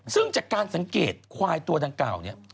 ซึ่งจากการสังเกตขวาตัวทั้งเก่า